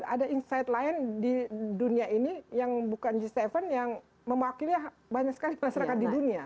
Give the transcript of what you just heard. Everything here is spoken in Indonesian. ada insight lain di dunia ini yang bukan g tujuh yang mewakili banyak sekali masyarakat di dunia